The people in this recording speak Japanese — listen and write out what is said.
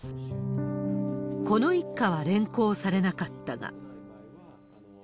この一家は連行されなかったが。